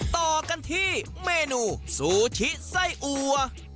ต่อกันที่เมนูซูชิไส้อัว